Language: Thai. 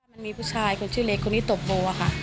มันมีผู้ชายคนชื่อเล็กคนนี้ตบโบค่ะ